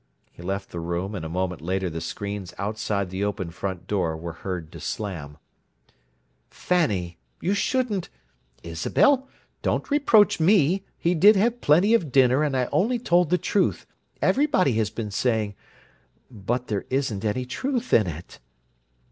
He left the room, and a moment later the screens outside the open front door were heard to slam: "Fanny! You shouldn't—" "Isabel, don't reproach me, he did have plenty of dinner, and I only told the truth: everybody has been saying—" "But there isn't any truth in it."